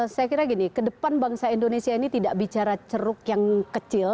saya kira gini ke depan bangsa indonesia ini tidak bicara ceruk yang kecil